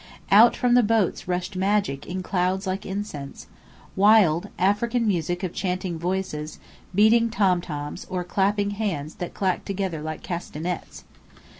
Out from the boats rushed music in clouds like incense; wild, African music of chanting voices, beating tom toms, or clapping hands that clacked together like castanets.